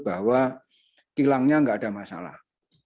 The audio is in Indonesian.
bahwa kilangnya tidak ada masalah